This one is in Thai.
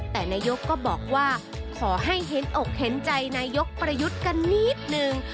แต่นายกก็บอกว่าขอให้เห็นอกเห็นใจนายกประยุทธ์กันนิดนึง